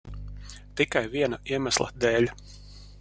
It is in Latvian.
Tikai viena iemesla dēļ.